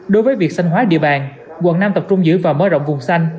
đối với việc xanh hóa địa bàn quận năm tập trung giữ và mở rộng vùng xanh